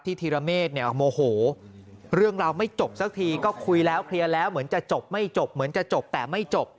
ธีรเมฆเนี่ยโมโหเรื่องราวไม่จบสักทีก็คุยแล้วเคลียร์แล้วเหมือนจะจบไม่จบเหมือนจะจบแต่ไม่จบ